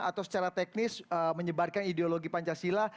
atau secara teknis menyebarkan ideologi pancasila